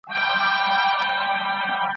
پکښی شخول به وو همېش د بلبلانو